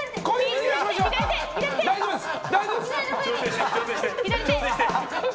大丈夫です。